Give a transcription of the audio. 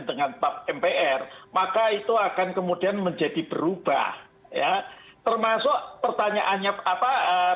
teman teman fraksi yang memang berposisi tidak sepakat kalau pphn itu wadahnya adalah tap mpr